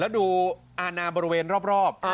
แล้วดูอาณาบริเวณรอบ